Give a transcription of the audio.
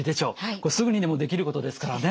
これすぐにでもできることですからね。